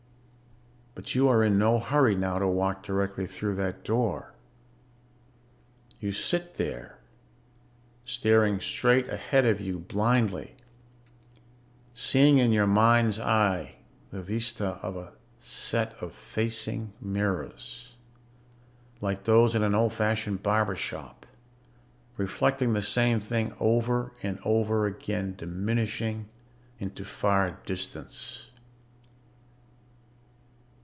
But you are in no hurry now to walk directly through that door. You sit there, staring straight ahead of you blindly, seeing in your mind's eye the vista of a set of facing mirrors, like those in an old fashioned barber shop, reflecting the same thing over and over again, diminishing into far distance.